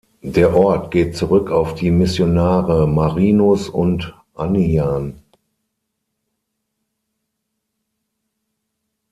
Der Ort geht zurück auf die Missionare Marinus und Anian.